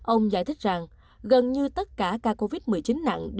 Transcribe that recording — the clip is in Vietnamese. ông giải thích rằng gần như tất cả ca covid một mươi chín nặng